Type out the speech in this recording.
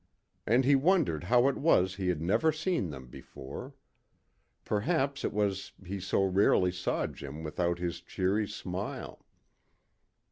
And he wondered how it was he had never seen them before. Perhaps it was that he so rarely saw Jim without his cheery smile.